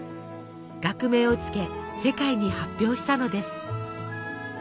学名を付け世界に発表したのです。